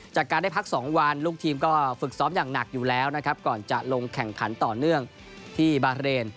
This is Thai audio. จากการได้พัก๒วันลูกทีมก็ฝึกซ้อมอย่างหนักอยู่แล้วนะครับก่อนจะลงแข่งขันต่อเนื่องที่บาเรน